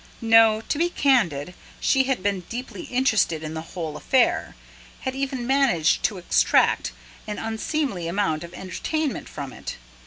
No, to be candid, she had been deeply interested in the whole affair, had even managed to extract an unseemly amount of entertainment from it.